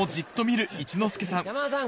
山田さん